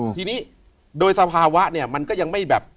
ทีนี้โดยสภาวะเนี่ยมันก็ยังไม่แบบ